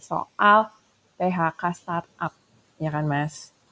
soal phk startup ya kan mas